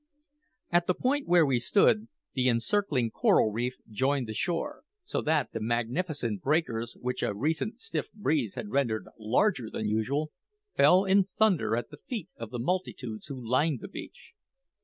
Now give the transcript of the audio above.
At the point where we stood, the encircling coral reef joined the shore, so that the magnificent breakers, which a recent stiff breeze had rendered larger than usual, fell in thunder at the feet of the multitudes who lined the beach.